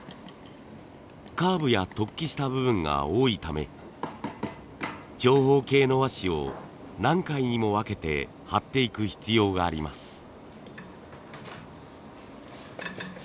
カーブや突起した部分が多いため長方形の和紙を何回にも分けて貼っていく必要があります。